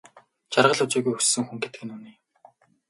Жаргал үзээгүй өссөн хүн гэдэг үнэн юм.